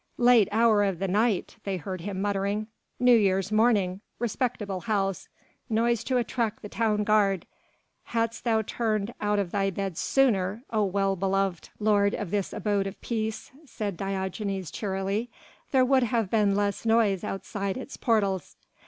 "Late hour of the night," they heard him muttering. "New Year's morning.... Respectable house ... noise to attract the town guard...." "Hadst thou turned out of thy bed sooner, O well beloved lord of this abode of peace," said Diogenes cheerily, "there would have been less noise outside its portals.